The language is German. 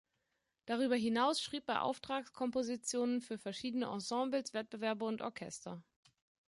Darüber hinaus schrieb er Auftragskompositionen für verschiedene Ensembles, Wettbewerbe und Orchester.